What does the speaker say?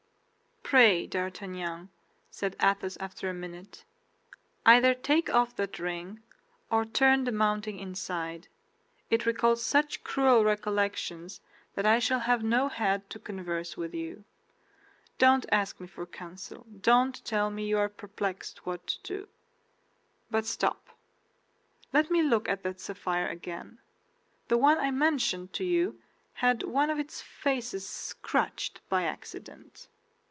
"Pray, D'Artagnan," said Athos, after a minute, "either take off that ring or turn the mounting inside; it recalls such cruel recollections that I shall have no head to converse with you. Don't ask me for counsel; don't tell me you are perplexed what to do. But stop! let me look at that sapphire again; the one I mentioned to you had one of its faces scratched by accident."